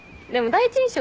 第一印象？